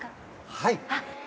はい！